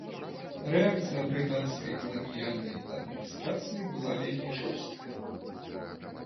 Рэакцыя брытанскай каланіяльнай адміністрацыі была вельмі жорсткай.